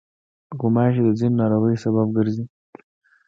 غوماشې د ځینو ناروغیو سبب ګرځي.